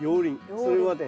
それはね